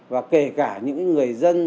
và kể cả những người dân